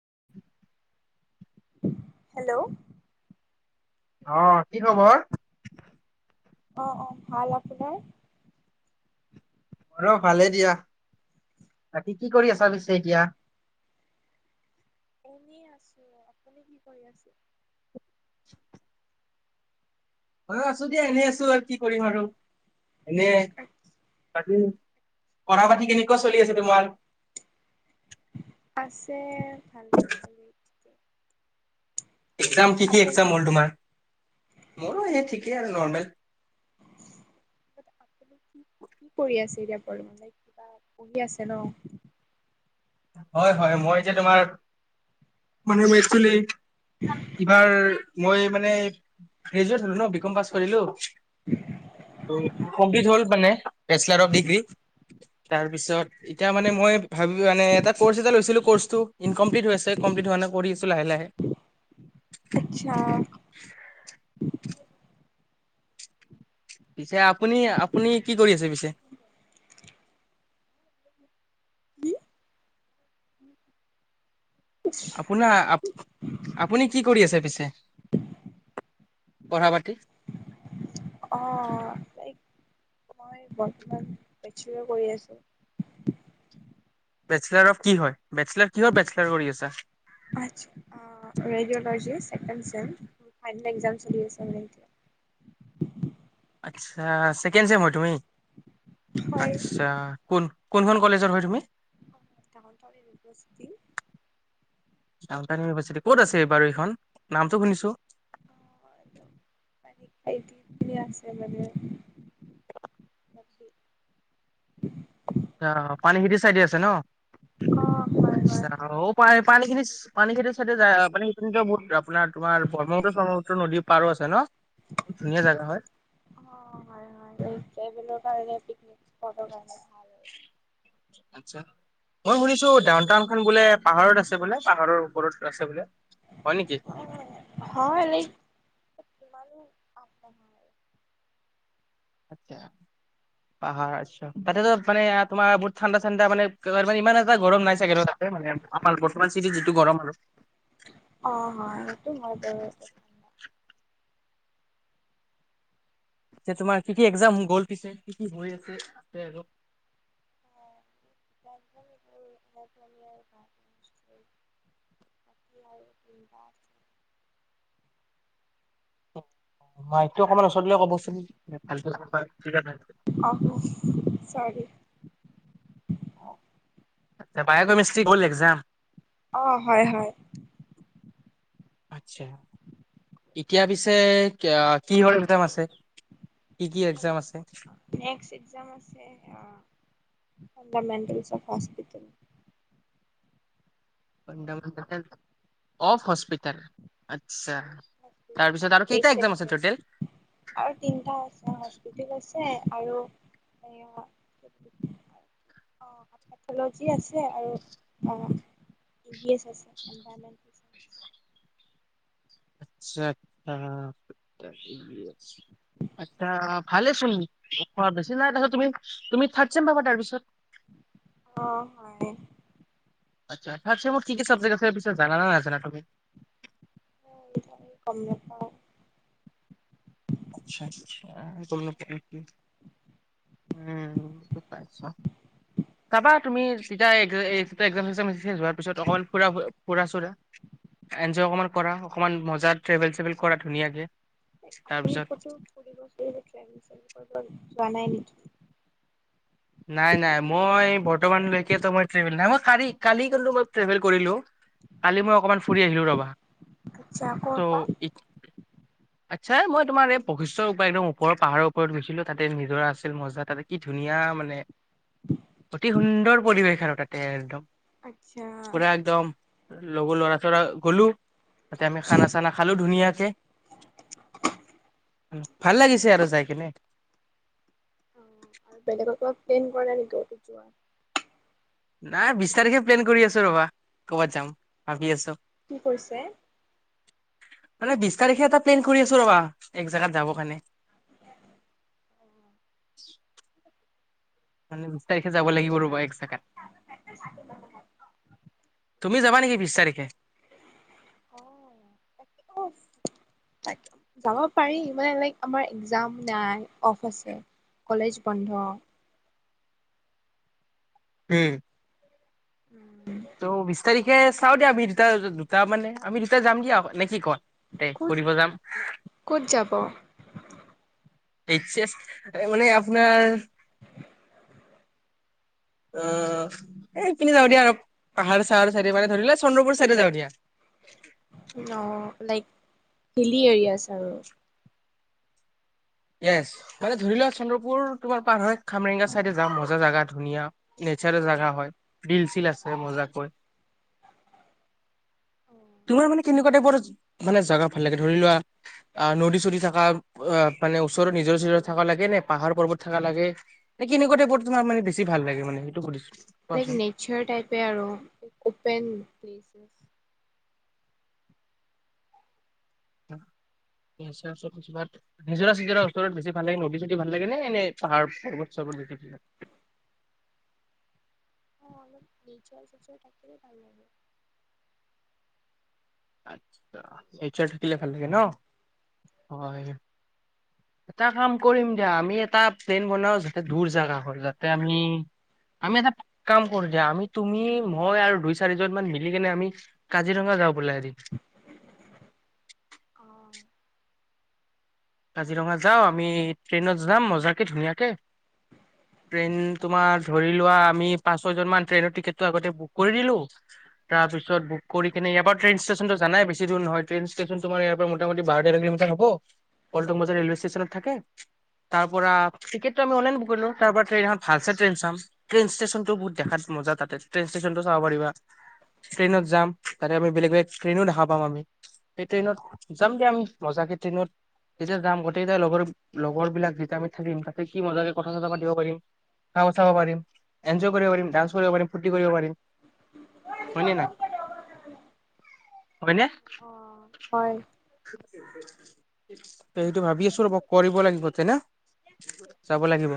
[unintelligible] Hello? অহ', কি খবৰ? অহ-অহ ভাল, আপোনাৰ? মোৰো ভালেই দিয়া। বাকী কি কৰি আছা পিছে এতিয়া? এনেই আছো আপুনি কি কৰি আছে? অ', আছো দিয়া এনেই আছো আৰু কি কৰিম আৰু। এনেই, তাকো পঢ়া-পাতি কেনেকুৱা চলি আছে তোমাৰ? আছে ভালে চলি, [unintelligible] একজাম কি কি আপুনি একজাম হ'ল ', তোমাৰ মোৰো এই ঠিকেই আৰু নৰ্মেল। কি কৰি আছে এতিয়া কিবা পঢ়ি আছে ন',? হয়', - হয়', মই যে তোমাৰ মানে, মেচ ইবাৰ মই, মানে গ্ৰেজুৱেট হল ন বিকম পাছ কৰিলো। কমপ্লিট হল মানে বেচলাৰ অফ ডিগ্ৰী তাৰপিছত এতিয়া মানে মই ভাবি মানে এটা কৰ্চ এটা লৈছিলো কৰ্চটো ইকমপ্লিট হৈ আছে কমপ্লিট হোৱা নাই কৰি আছো লাহে লাহে। আচ্ছা পিছে আপুনি আপুনি কি কৰি আছে পিছে। কি আপোনাৰ আপুনি কি কৰি আছে পিছে পঢ়া পাতি। অ লাইক মই বৰ্তমান জিম কৰি আছো বেচলাৰ অফ কি হয় বেচলাৰ কি হয় বেচলাৰ কৰি আছা radiology second sem final exam চলি আছে আচ্ছা চেকেণ্ড ছেম হয় তুমি হয় আচ্ছা কোন? কোনখন কলেজৰ হয় তুমি ন্ত [unintelligible] উপস্থিতি ডাউনটাউন ইউনিভাৰ্চিটি ক'ত আছে বাৰু এইখন নামটো শুনিছো অ পান খাইতি ইতিনি আছে মাজে [unintelligible] পাইছো [unintelligible] আ পানীখিতি চাইডে আছে ন অ', হয়, হয়। আচ্ছা পায় পানী খিনি পানী খেতিৰ চাইডে যায় পানী খতি বহুত আপোনাৰ তোম ব্ৰহ্মপুত্ৰ চ্ৰ্মপত্ৰ নদীৰ পাৰো আছে ন ধুনীয়া জাগা হয়। অ হয় হয় সে বলে কাৰে পিকনিক ভাল। মই শুনিছো ডউন টাউন খন বোলে পাহাৰত আছে বোলে পাহাৰৰ ওপৰত আছে বোলে হয় নেকি? হ লক [unintelligible] কিমানো আগ নঢ়া [unintelligible] আ পাহাৰ আচছা তাতেতো মানে তোমাৰ বহুত ঠাণ্ডা ঠাণ্ডা মানেে ইমান এটা গৰম নাই চাগে তাতে মানে আমাৰ বৰ্তমান চি যিটো গৰম আৰু। অ অ সেইটো হয় বাৰু যে তোমাৰ কি কি এক্সাম গ'ল পিছে কি কি হৈ আছে আছে আৰু এনেন আৰু ঘ কাটি বাকী আৰু তিনিটা আছে [unintelligible] মাইকটো অকমান ওচৰত ক'বচোন। াল [inaudible] অ', চৰি আ বায়কমেষ্ট্ৰিক হ'ল এক্সাম? অ হয়-হয়। আছা। এতিয়া পিছে কি কিহৰ এক্সাম আছে? কি কি এক্সাম আছে নেক্সট এ্জাম আছে অ fundamental of hospital. Fundamental of hospital? তাৰপিছত এণ্ড আৰু কেইটা পেইছনট এক্সাম আছে টোটেল কেয়াৰ, আৰু তিনটা আছে হস্পিতাল আছে আৰু এয়া তাৰ পিছত অহ পাইথলগজি আছে আৰু ই ভি ছ আছে এনভাইৰনমেণ্ট সেইয়েন্স। আচ্ছা-অচ্ছা। আচ্ছা ভালে চোন [unintelligible] বেছি নাই তুমি, তুমি থাৰ্ড চেম পাবা তাৰপিছত। অ হয় আছা ফাৰ্ষ্ট ছেমত কি-কি চাবজেক্ট আছে পিছে জনে নে নাজানা তুমি? মই বাৰু গম নাপাওঁ। আচ্ছা-আচ্ছা গম নেপুৱা [unintelligible] উম [unintelligible] যাবা তুমি চিধা এক্সম যোৱাৰ পিছত অকমান ফু-ফুৰা-ছুৰা এনজয় অকমান কৰা, অকনমান মজা ট্ৰেভেল চেল কৰা ধুনীয়াকে। আপুনি তাৰপিছত কতো ফুৰিব-চুৰিব ট্ৰেভেল-ছবেল কৰিব যোৱা নাই নেকি? নাই নাই মই বৰ্তমানলৈকেতো মই ট্ৰেভেল নাই মই কালি কালি কিন্তু মই ট্ৰেভেল কৰিলো। কালি মই অকমান ফুৰি আহিলো ৰবা। আচ্ছা ক'ৰ ত' পৰা আচ্ছা মই তোমাৰ এই বশিষ্ঠ ওপৰৰ পাহাৰৰ ওপৰত গৈছিলো তাতে নিজৰা আছিল মজা তাতে কি ধুনীয়া মানে মানে অতি সুন্দৰ পৰিৱেশ আৰু তাতে একদম। আচ্ছা। লগো ল'ৰা-চ'ৰা গ'লো। তাতে আমি খানা-চানা খালো ধুনীয়াকে। ভাল লাগিছে আৰু জাই কিনে। অ আৰু বেলেগত প্লেন কৰা নেকি অতি যোৱা? নাই বিশ তাৰিখে প্লেন কৰি আছো ৰবা, কৰ'বাত যাম ভাবি আছো। কি কৰিছে? মানে বিশ তাৰিখে এটা প্লেন কৰি আছো ৰবা, এক জেগাত যাব কাৰণে। [inaudible] ন [unintelligible] যাব লাগিব ৰ'বা এক জাগাত। তুমি যাবা নেকি বিশ তাৰিখে? তাক যাব পাৰি মানে লাইক আমাৰ এক্জাম নাই, অফ আছে, কলেজ বন্ধ। উম ত বিশ তাৰিখ তাকে চাও দিয়া আমি দুটা-দুটা মানে আমি দুটা যাম দিয়া নেকি কুৱা? দে ক'ত ফুৰিব যাম। ক'ত যাব এইচ এছ, মানে আপোনাৰ উম অ'- এই পিনে যাওঁ দিয়া আৰু। পাহাৰে-চাহাৰে চাইডে মানে, ধৰিলে চন্দ্ৰপুৰ চাইডে যাওঁ দিয়া। অ'। লাইক হিলী এৰিয়াছ আৰু। য়েছ। মানে ধৰি লোৱা চন্দ্ৰ পূৰ তোমাৰ পাৰ হৈ খামৰেঙগা চাইডে যাম। মজা জাগা। ধুনীয়া, নেচাৰেল জাগা হয়। বিল-চিল আছে মজাকৈ। তোমাৰ মানে কেনে কুৱা টাইপৰ মানে জাগা ভাল লাগে? ধৰি লোৱা, অ' নদী-চদি থকা, অ' মানে ওচৰত নিজৰা-চিজৰা থকা লাগে নে পাহাৰ-পৰ্বত থকা লাগে? নে কেনেকুৱা টাইপত তোমাৰ মানে বেছি ভাল লাগে মানে? সেইটো সুধিছোঁ। লাইক নেচাৰ টাইপে আৰু। Open places. [inaudible] নিজৰা-চিজৰাৰ ওচৰত বেছি ভাল লাগে, নদী-চদি ভাল লাগে নে এনে পাহাৰ, পৰ্বত-চৰ্বত যদি [inaudible] অ' অলপ নেচাৰ-সেচাৰ থাকিলে ভাল লাগে। আচ্ছা, নেচাৰ থাকিলে ভাল লাগে ন'? হয়। এটা কাম কৰিম দিয়া। আমি এটা প্লেন বনাও যাতে দূৰ জাগা হ'ল। লাদা আমি- আমি এটা কাম কৰোঁ দিয়া। আমি- তুমি, মই আৰু দুই-চাৰিজনমান মিলিকেনে আমি কাজিৰঙা যাওঁ বলা এদিন। অ ভাল কাজিৰঙা যাওঁ। আমি ট্ৰেইনত যাম মজাকে ধুনীয়াকে। ট্ৰেইন তোমাৰ ধৰি লোৱা, আমি পাঁচ-ছয় জনমান ট্ৰেইনৰ টিকেটটো আগতে বুক কৰি দিলোঁ। তাৰপিছত বুক কৰি কিনে ইয়াৰ পৰা ট্ৰেইন ষ্টেচনটো জানায়ে, বেছি দূৰ নহয়। ট্ৰেইন ষ্টেচন তোমাৰ ইয়াৰ পৰা মোটামুটি বাৰ-তেৰ কিলোমিটাৰ হব। পল্টন বজাৰ ৰেলোৱে ষ্টেছনত থাকে। তাৰপৰা টিকেটটো আমি অনলাইনত বুক কৰিলোঁ। তাৰ পৰা ট্ৰেইন এখন ভাল চাই ট্ৰেইন চাম। ট্ৰেইন ষ্টেছনটো বহুত দেখাত মজাঁ তাতে। ট্ৰেইন ষ্টেছনটো চাব পাৰিবা। ট্ৰেইনত যাম, তাতে আমি বেলেগ - বেলেগ ট্ৰেইনো দেখা পাম আমি। সেই ট্ৰেইনত যাম দিয়া আমি মজাকে ট্ৰেইনত যেতিয়া যাম, গোটেইগিটা লগৰ- লগৰবিলাক যেতিয়া আমি থাকিম, তাতে কি মজাকে কথা-চথা পাতিব পাৰিম। খাব-চাব পাৰিম। এনজয় কৰিব পাৰিম, ডান্স কৰিব পাৰিম, ফুৰ্তি কৰিব পাৰিম। হয়নে নাই? হয়নে? অ হয়। উ উ সেইটো ভাবি আছোঁ ৰ'ব। কৰিব লাগিব তে ন'? যাব লাগিব।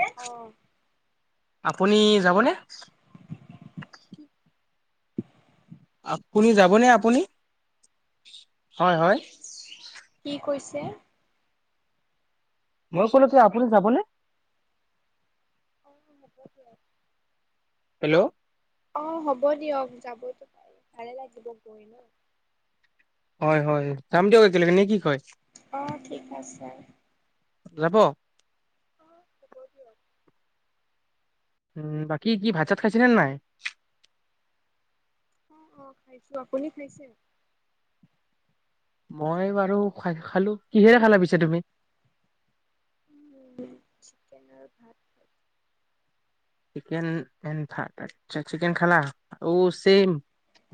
অ'। আপুনি যাবনে? কি আপুনি যাবনে আপুনি? হয় - হয়? কি কৈছে? মই কলেতো আপুনি যাবনে? য়েছ - য়েছ। হেল্ল'? অ' হ'ব দিয়ক। যাবতো পাৰি। ভালে লাগিব গৈ ন'। হয় - হয়। যাম দিয়ক একেলগে নে কি কয়? অ' ঠিক আছে। যাব? অ' হব দিয়ক। উম, বাকী কি ভাত-চাত খাইছিলেন নাই? অ' - অ' খাইছোঁ। আপুনি খাইছে? মই বাৰু খাই- খালোঁ। কিহেৰে খালা পিছে তুমি? উম চিকন আৰু ভাত চিকেন আ ভা চিকেন খালা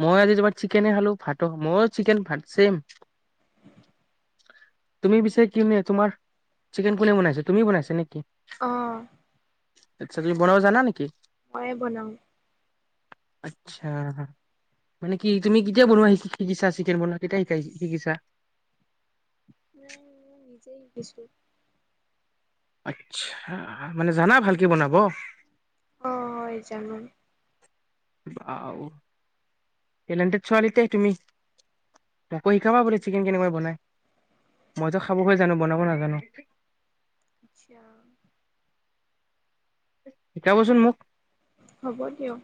মই আজি তোমাৰ চিকেনে খালো মই চিকেন তুমি পিছে কি ন তোমাৰ চিকেন কোনে বনাইছে তুমি বনাইছ নেকি? আহ আচ্ছা তুমি বনাব জানা নেকি ময়ে বনাওঁ। আচ্ছা। মানে কি তুমি কেতিয়া বনোৱা শি -শিকিছা চিকেন বনোৱা কেতিয়া শিকাইছ- শিকিছা? নাই মই নিজেই শিকিছোঁ। আচ্ছা। মানে জানা ভালকে বনাব? হয় জানো। টেলেণ্টেড ছোৱালী তে তুমি। মোকো শিকাবা বোলে চিকেন কেনেকৈ বনাই, মই তো খাব হে জানো বনাব নাজানো। আচ্ছা। শিকাবচোন মোক। হ'ব দিয়ক।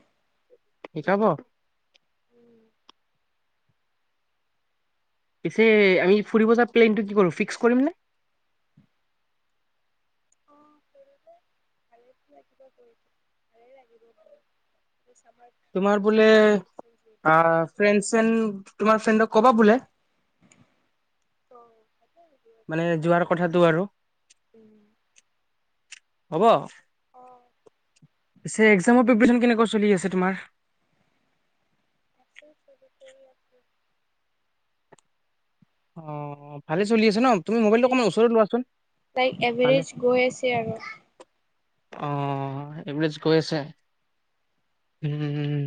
শিকাব? উম। পিছে আমি ফুৰিব যোৱাৰ প্লেনটো কি কৰো? ফিক্স কৰিম নে? অ [unintelligible] তোমাৰ বোলে চামাৰ ভেকেচন যিহেতু আ পালোঁ। ফ্ৰেণ্ড চেন তোমাৰ ফ্ৰেণ্ডক কব। বলে অ', তাকে মানে যোৱাৰ কথাটো আৰু। হ'ব? অ', পিছে এক্জামৰ প্ৰিপেৰেচন কেনেকুৱা চলি আছে? তোমাৰ [inaudible] অঁ ভালে চলি আছে ন? তুমি মোবাইলটো এভাৰেজ অকমান ওচৰতে লোৱাচোন। লাইক ভালে এভাৰেজ গৈ আছে আৰু। অ এভেৰেজ গৈ আছে। উম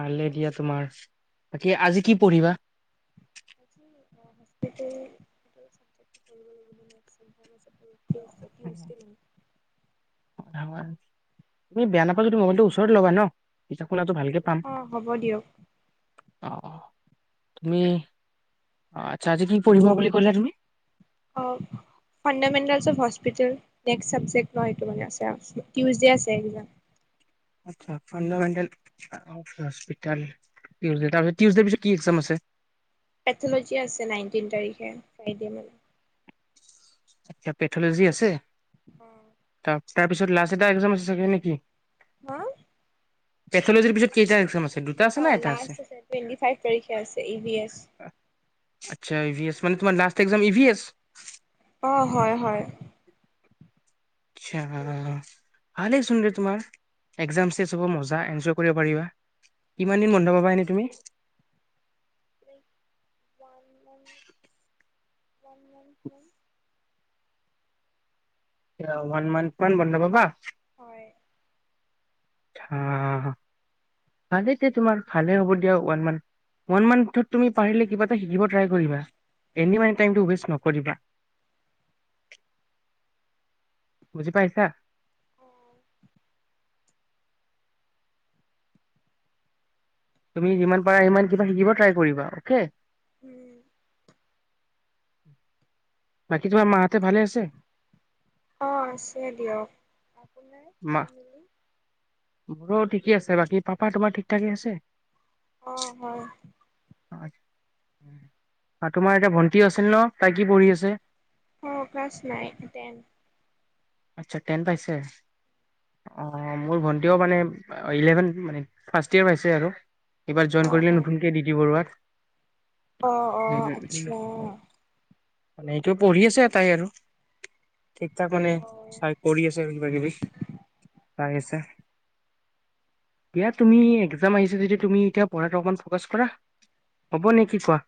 ভালে দিয়া তোমাৰ। বাকী আজি কি পঢ়িবা? আজি [unintelligible] আছে টিউচডে [unintelligible] মানে। তুমি বেয়া নাপা যদি মোবাইলটো ওচৰত লগা ন পিচে শুনাটো ভালকে পাম। অ' হ'ব দিয়ক অহ তুমি। আচ্ছা আজি কি পঢ়িবা বুলি কলা তুমি? অ fundamentals of hospital next subject ন এইটো মানে আছে। টিউজদে আছে এক্জাম। আটচা ফাণ্ডামেণ্টেল অফ হস্পিতাল, টিউজদে। তাৰপিছত টিউজদে পিছত কি এক্জাম আছে? পেথলজি আছে নাইনটিন তাৰিখে। ফ্ৰাইডে মানে আটচা পেথলজি আছে। উম। তাৰ পিছত লাষ্ট এটা এক্জাম আছে চাগে না কি? হা? পেথলজিৰ পিছত কেইটা এক্জাম আছে? দুটা আছে অ না আছে লাষ্ট এটা টুৱেন্টিফাইভ তাৰিখে আছে। E V S. আচ্ছা ই ভি এছ মানে তোমাৰ last exam E V S? অ হয়-হয়। আটছা। ভালেইচোন ৰে তোমাৰ এক্জাম চেছ হব মজা। এনজয় কৰিব পাৰিবা। কিমান দিন বন্ধ পাবা এনে তুমি? লাই ওান ম ওান মানথ মান ৱান মন্ত মান বন্ধ পাবা? হয়। অহ। ভালেই দ তোমাৰ ভালে হ'ব দিয়া ওৱান মান্থ ওৱান মান্থত তুমি পাৰিলে কিবা এটা শিকিব ট্ৰাই কৰিবা এনি মট ৱেষ্ট নকৰিবা। বুজি পাইছা? উম তুমি যিমান পাৰা সিমান কিবা শিকিব ট্ৰাই কৰিবা অকে? উম বাকী তোমাৰ মাহাতে ভালে আছে? অ আছে দিয়ক। আপোনাৰ, মা ফমিলি? মোৰো ঠিকেই আছে, বাকী পাপা তোমাৰ ঠিক-ঠাকে আছে? অহ হয়। আৰু তোমাৰ এতিয়া ভন্টি আছিল ন, তাই কি পঢ়ি আছে? অ ক্লাছ নাইন, টেন। আচ্ছা টেন পাইছে? অঁ মোৰ ভণ্টিও মানে ইলেভেন মানে ফাৰ্ষ্ট ইয়েৰ পাইছে আৰু। এইবাৰ জইন কৰিলে নতুনকে দিটি বৰুৱাত। অহ-অহ উম, উম, আচ্ছা। উম, মানে এইটো পঢ়ি আছে এটাই আৰু। ঠিক থাক মানে অ', কৰি আছে কিবা-কিবি। আ দিয়া তুমি একজাম আহিছ য তুমি এতিয়া পঢ়াটো অকমান ফকাচ কৰা। হ'ব নে কি কোৱা?